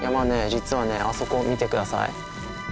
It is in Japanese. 実はねあそこを見て下さい。